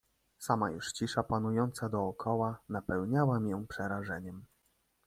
"Sama już cisza, panująca dokoła, napełniała mię przerażeniem."